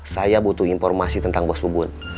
saya butuh informasi tentang bos lubun